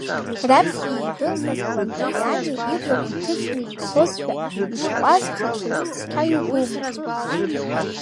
Раԥхьа иҩдәылҟьаз Кванталиани иблақәа ҭыҵны ицозшәа ишҟәазхацәаз цқьа иубомызт.